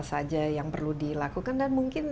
saja yang perlu dilakukan dan mungkin